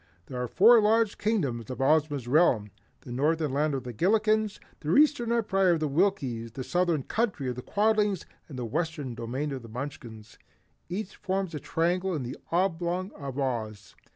There are four large Kingdoms in Ozma's realm, the Northern Land of the Gillikens, the Eastern Empire of the Winkies, the Southern Country of the Quadlings and the Western domain of the Munchkins. Each forms a triangle in the oblong of Oz.